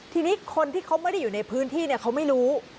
ทีนี้คนที่เขาไม่ได้อยู่ในพื้นที่เขาไม่รู้